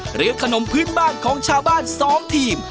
หรือขนมพื้นบ้านของชาวบ้าน๒ทีม